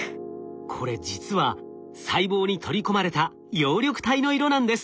これ実は細胞に取り込まれた葉緑体の色なんです。